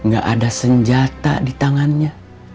gak ada senjata di tangannya